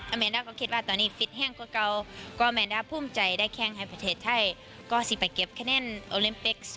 อาแมนดาก็คิดว่าตอนนี้ฟิตแห้งเก่าก็อาแมนดาภูมิใจได้แข่งไทยประเทศไทยก็สิไปเก็บคะแนนออลิมปิก๒๐๒๐